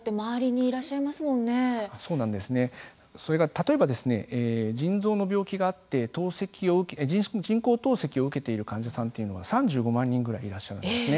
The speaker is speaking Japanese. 例えば、腎臓の病気があって人工透析を受けている患者さんというのは３５万人くらいいらっしゃるんですね。